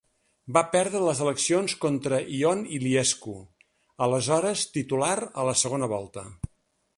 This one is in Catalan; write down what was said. Va perdre les eleccions contra Ion Iliescu, aleshores titular, a la segona volta.